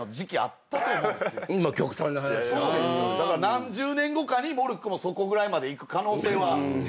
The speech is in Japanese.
何十年後かにモルックもそこぐらいまでいく可能性はあります。